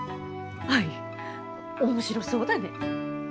アイ面白そうだね。